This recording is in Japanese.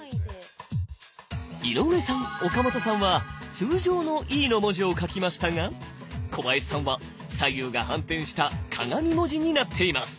井上さん岡本さんは通常のＥの文字を書きましたが小林さんは左右が反転した鏡文字になっています。